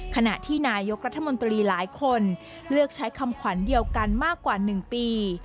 ขณะที่นายกรัฐมนตรีหลายคนเลือกใช้คำขวัญเดียวกันมากกว่า๑ปี